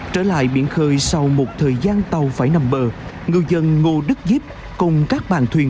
trở lại biển khơi sau một thời gian tàu phải nằm bờ ngư dân ngô đức diếp cùng các bàn thuyền